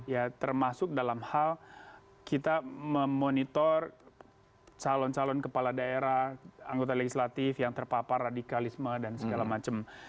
ya termasuk dalam hal kita memonitor calon calon kepala daerah anggota legislatif yang terpapar radikalisme dan segala macam